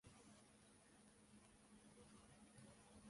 メモリが少なくて苦労した記憶しかない